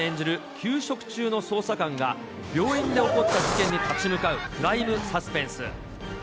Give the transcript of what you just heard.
休職中の捜査官が、病院で起こった事件に立ち向かうクライムサスペンス。